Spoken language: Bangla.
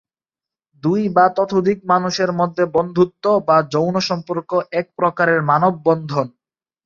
দুই বা ততোধিক মানুষের মধ্যে বন্ধুত্ব বা যৌন সম্পর্ক এক প্রকারের মানব-বন্ধন।